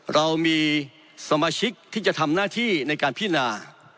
เรามีสมาชิกที่จะทำหน้าที่ในการพินา